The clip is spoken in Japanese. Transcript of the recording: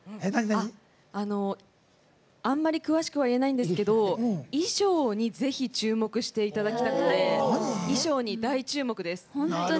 あんまり詳しくは言えないんですけど衣装にぜひ注目していただきたくて衣装に大注目です。